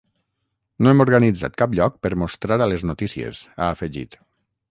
No hem organitzat cap lloc per mostrar a les notícies, ha afegit.